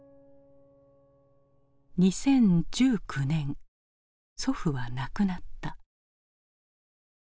２０１９年祖父は亡くなった。